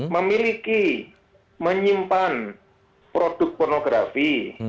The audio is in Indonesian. memiliki menyimpan produk pornografi